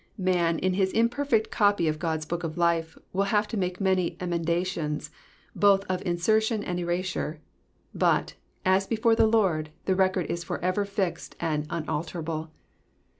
Man in his imperfect copy of God's book of life will have to make many emendations, both of insertion and erasure ; but, as before the Lord, the record is for ever fixed and unalterable.